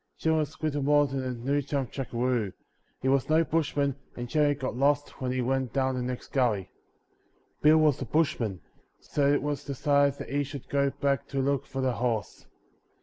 Jim was little more than a new chum jackaroo; he was no bushman and generally got lost when he went down the next gully. Bill was a bushman, so it was decided that he should go back to look for the horse.